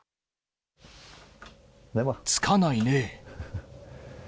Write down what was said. つかないね。